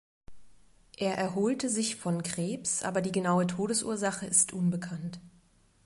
Er erholte sich von Krebs, aber die genaue Todesursache ist unbekannt.